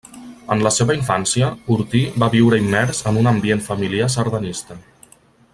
En la seva infància, Ortí va viure immers en un ambient familiar sardanista.